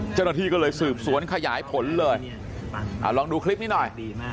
เจ้าหน้าที่ก็เลยสืบสวนขยายผลเลยลองดูคลิปนี้หน่อย